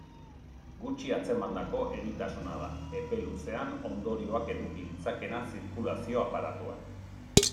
Gutxi atzemandako eritasuna da, epe luzean ondorioak eduki ditzakeena zirkulazio-aparatuan.